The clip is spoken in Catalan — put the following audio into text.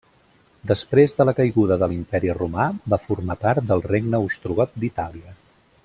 Després de la caiguda de l'Imperi romà va formar part del Regne Ostrogot d'Itàlia.